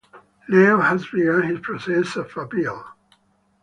Leo has begun his process of appeal.